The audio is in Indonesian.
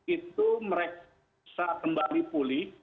itu mereka bisa kembali pulih